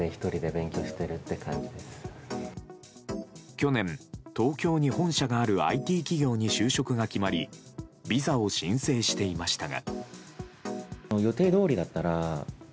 去年、東京に本社があるＩＴ企業に就職が決まりビザを申請していましたが。